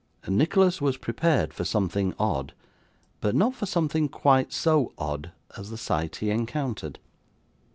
Nicholas was prepared for something odd, but not for something quite so odd as the sight he encountered.